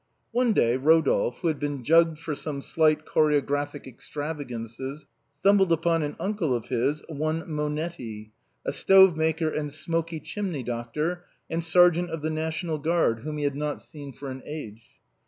One day Rodolphe, who had been jugged for some slight chorégraphie extravagances, stumbled upon an uncle of his, one Monetti, a stove maker and smoky chimney doctor, and sergeant of the ISTational Guard, whom he had not seen for an age.